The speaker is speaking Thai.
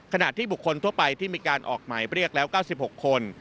ขณะที่บุคคลทั่วไปที่มีการออกหมายเรียกแล้ว๙๖คน